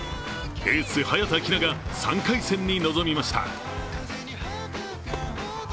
エース・早田ひなが３回戦に臨みました。